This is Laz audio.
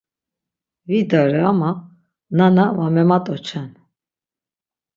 Vidare ama nana va memat'oçen.